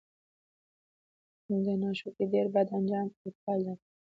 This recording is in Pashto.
د ناشکرۍ ډير بد آنجام او پايله ده